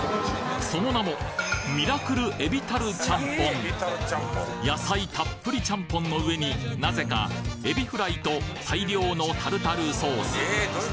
その名も野菜たっぷりちゃんぽんの上になぜかエビフライと大量のタルタルソース